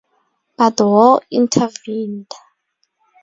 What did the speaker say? But war intervened.